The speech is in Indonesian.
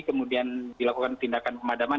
kemudian dilakukan tindakan pemadaman